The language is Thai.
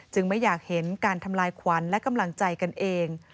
ไม่อยากเห็นการทำลายขวัญและกำลังใจกันเอง